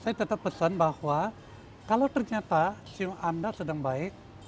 saya tetap pesan bahwa kalau ternyata sim anda sedang baik